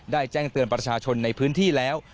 แจ้งเตือนประชาชนในพื้นที่แล้ว